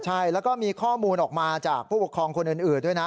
ใช่แล้วก็มีข้อมูลออกมาจากผู้ปกครองคนอื่นด้วยนะ